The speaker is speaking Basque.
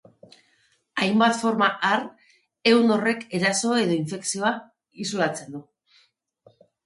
Hainbat forma har ehun horrek eraso edo infekzioa isolatzen du.